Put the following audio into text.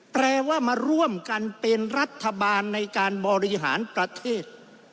แปลว่ามาร่วมกันเป็นรัฐบาลในการบริหารประเทศ